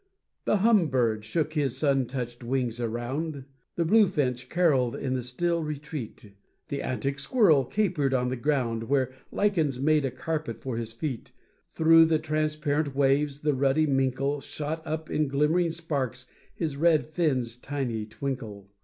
The hum bird shook his sun touched wings around, The bluefinch caroll'd in the still retreat; The antic squirrel capered on the ground Where lichens made a carpet for his feet: Through the transparent waves, the ruddy minkle Shot up in glimmering sparks his red fin's tiny twinkle.